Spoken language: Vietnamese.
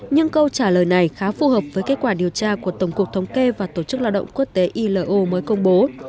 nhưng câu trả lời này khá phù hợp với kết quả điều tra của tổng cục thống kê và tổ chức lao động quốc tế ilo mới công bố